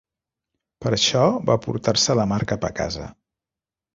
Per això va portar-se la mar cap a casa.